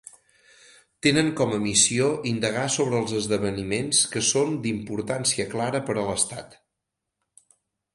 Tenen com a missió indagar sobre els esdeveniments que són d'importància clara per a l'Estat.